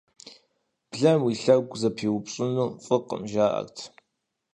Блэм уи гъуэгу зэпиупщӀыну фӀыкъым, жаӀэрт.